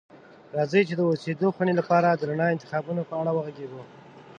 راځئ چې د اوسیدو خونې لپاره د رڼا انتخابونو په اړه وغږیږو.